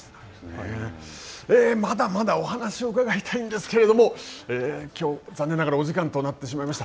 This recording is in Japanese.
まだまだお話を伺いたいんですけれども、きょう、残念ながらお時間となってしまいました。